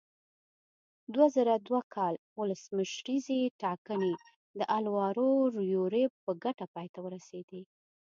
دوه زره دوه کال ولسمشریزې ټاکنې د الوارو یوریب په ګټه پای ته ورسېدې.